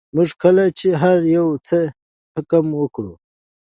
موږ کله چې هر یوه ته حکم وکړو.